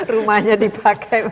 rumahnya dipakai untuk